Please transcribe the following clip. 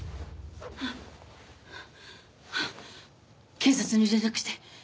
警察に連絡して。